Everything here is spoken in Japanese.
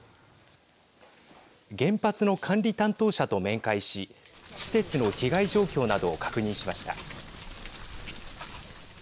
原発の管理担当者と面会し施設の被害状況などを確認しました。